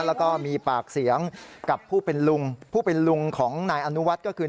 แล้วก็มีปากเสียงกับผู้เป็นลุงผู้เป็นลุงของนายอนุวัฒน์ก็คือ